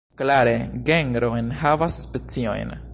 Klare, genro enhavas speciojn.